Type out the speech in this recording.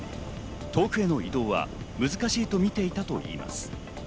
遠くへの移動は難しいとみていたといいます。